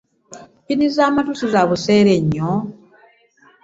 Pinni za mattu sizabuseele nnyo.